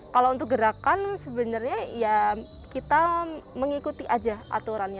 kalau untuk gerakan sebenarnya ya kita mengikuti aja aturannya